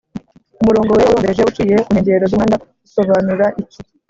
umurongo wera urombereje uciye Kunkengero z’umuhanda usobanura iki